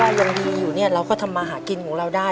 ตอนนี้ที่ว่ายังมีอยู่เนี่ยเราก็ทำมาหากินของเราได้